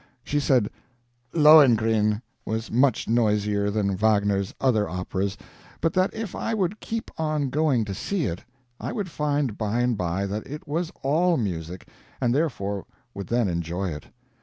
She said "Lohengrin" was noisier than Wagner's other operas, but that if I would keep on going to see it I would find by and by that it was all music, and therefore would then enjoy it.